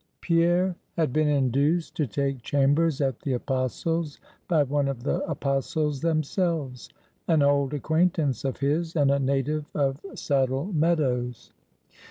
Pierre had been induced to take chambers at the Apostles', by one of the Apostles themselves, an old acquaintance of his, and a native of Saddle Meadows.